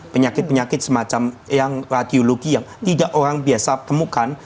penyakit penyakit semacam yang radiologi yang tidak orang biasa temukan